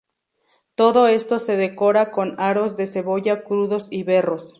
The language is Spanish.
Todo esto se decora con aros de cebolla crudos y berros.